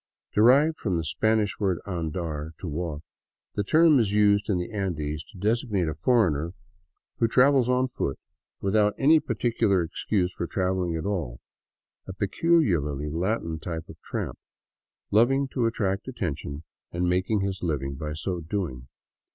Derived from the Spanish word andar (to walk), the term is used in the Andes to designate a foreigner who travels on foot, without any particular excuse for traveling at all; a peculiarly Latin type of tramp, loving to attract attention and making his living by so doing.